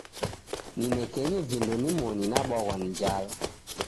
Ninekenyi vindo nimoni nabwaghwa ni njala.